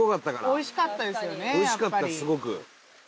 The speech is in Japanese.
おいしかったすごく。